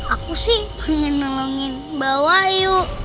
aku sih mau nolongin mbah wayu